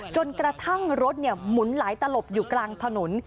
จนกระทั่งรถหมุนหลายตลบอยู่กลางถนน